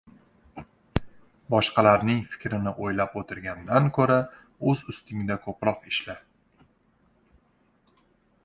Boshqalarning fikrini oʻylab oʻtirgandan koʻra oʻz ustingda koʻproq ishla.